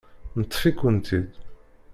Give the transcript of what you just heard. Neṭṭef-ikent-id.